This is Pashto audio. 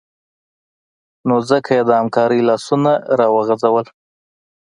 نو ځکه یې د همکارۍ لاسونه راوغځول